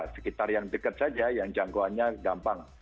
sekitar yang dekat saja yang jangkauannya gampang